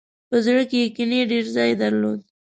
په زړه کې یې کینې ډېر ځای درلود.